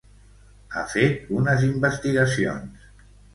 Ha fet unes investigacions.